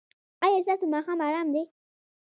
ایا ستاسو ماښام ارام دی؟